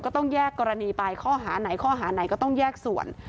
ก็ต้องแยกกรณีไปข้อหาไหนข้อหาไหนก็ต้องแยกส่วน